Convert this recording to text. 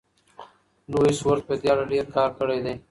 لویس ورت په دې اړه ډېر کار کړی دی.